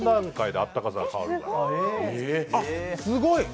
あ、すごい！